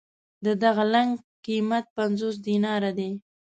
د دغه لنګ قېمت پنځوس دیناره دی.